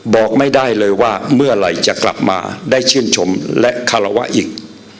บอกไม่ได้เลยว่าเมื่อไหร่จะกลับมาได้ชื่นชมและคารวะอีก